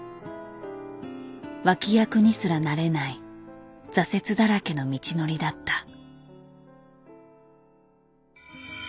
脇役にすらなれない挫折だらけの道のりだった。